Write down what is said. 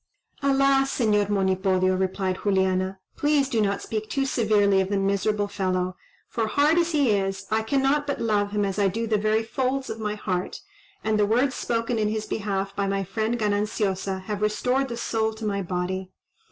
"Alas! Señor Monipodio," replied Juliana, "please do not speak too severely of the miserable fellow; for, hard as he is, I cannot but love him as I do the very folds of my heart; and the words spoken in his behalf by my friend Gananciosa have restored the soul to my body.